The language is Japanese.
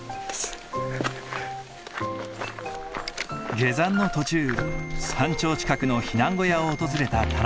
下山の途中山頂近くの避難小屋を訪れた田中。